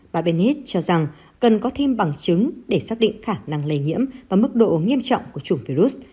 bà benid cho rằng cần có thêm bằng chứng để xác định khả năng lây nhiễm và mức độ nghiêm trọng của chủng virus